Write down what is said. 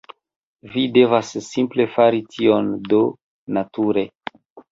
Vi devas simple fari tion... do nature...